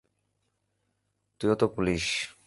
তুইও তো পুলিশ।